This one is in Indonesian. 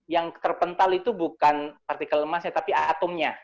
yang terpental itu bukan partikel emasnya tapi atomnya